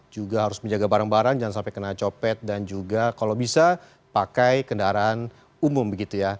juga harus menjaga barang barang jangan sampai kena copet dan juga kalau bisa pakai kendaraan umum begitu ya